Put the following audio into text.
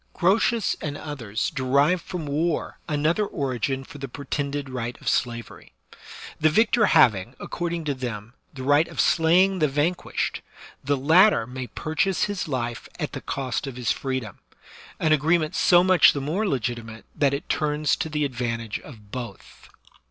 Grotius and others derive from war another origin for the pretended right of slavery. The victor having, accord ing to them, the right of slaying the vanquished, the latter may purchase his life at the cost of his freedom; an agreement so much the more legitimate that it turns to the advantage of both.